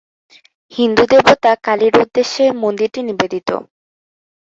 হিন্দু দেবতা কালীর উদ্দেশ্যে মন্দিরটি নিবেদিত।